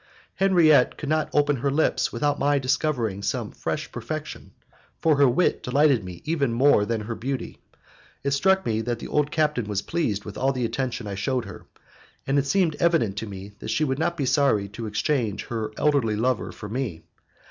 Henriette could not open her lips without my discovering some fresh perfection, for her wit delighted me even more than her beauty. It struck me that the old captain was pleased with all the attention I shewed her, and it seemed evident to me that she would not be sorry to exchange her elderly lover for me.